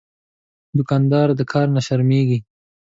دوکاندار د کار نه شرمېږي.